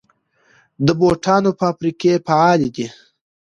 د بوټانو فابریکې فعالې دي؟